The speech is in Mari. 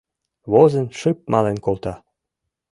Возын, шып мален колта.